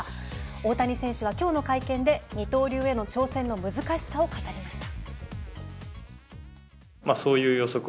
大谷選手は今日の会見で二刀流への挑戦の難しさを語りました。